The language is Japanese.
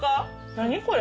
何これ。